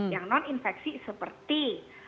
yang non infeksi seperti